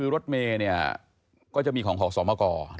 รถเมก็จะมีของขอสมก